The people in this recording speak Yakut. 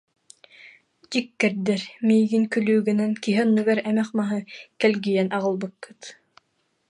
Дьиккэрдэр, миигин күлүү гынан, киһи оннугар эмэх маһы кэлгийэн аҕалбыккыт